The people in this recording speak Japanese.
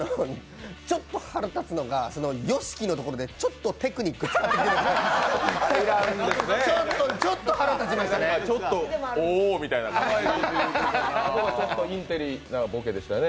ちょっと腹立つのが、ＹＯＳＨＩＫＩのところでちょっとテクニック使ったのが腹立ちましたね。